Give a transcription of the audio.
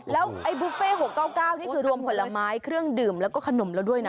แล้วไอ้บุฟเฟ่๖๙๙นี่คือรวมผลไม้เครื่องดื่มแล้วก็ขนมแล้วด้วยนะ